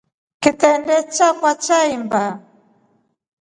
Kitrende chakwa chaimba.